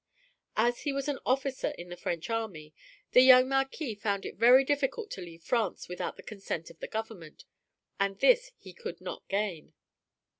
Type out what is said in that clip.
As he was an officer in the French army, the young Marquis found it very difficult to leave France without the consent of the government, and this he could not gain.